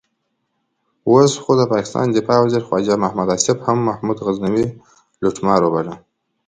اوس خو د پاکستان دفاع وزیر خواجه محمد آصف هم محمود غزنوي لوټمار وباله.